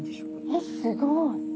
えっすごい。